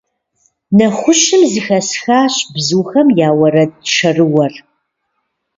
Нэхущым зэхэсхащ бзухэм я уэрэд шэрыуэр.